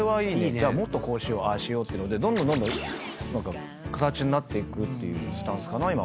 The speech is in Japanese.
じゃあもっとこうしようああしようってのでどんどん形になっていくっていうスタンスかな今は。